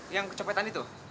yang kecapai tadi tuh